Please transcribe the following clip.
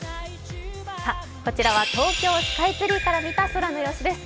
こちらは東京スカイツリーから見た空の様子です。